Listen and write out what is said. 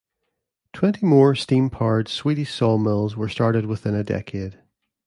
Twenty more steam powered Swedish saw mills were started within a decade.